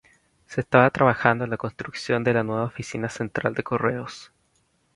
Se estaba trabajando en la construcción de la nueva Oficina Central de Correos.